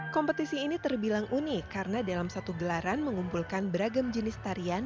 kompetisi ini terbilang unik karena dalam satu gelaran mengumpulkan beragam jenis tarian